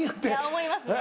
思いますね。